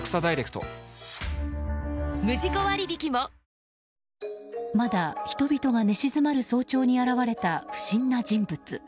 「ほんだし」でまだ人々が寝静まる早朝に現れた不審な人物。